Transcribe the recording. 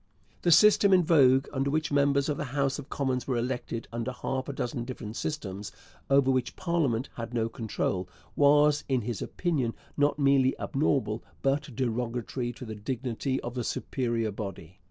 The system in vogue, under which members of the House of Commons were elected under half a dozen different systems, over which parliament had no control, was in his opinion not merely abnormal, but derogatory to the dignity of the superior body.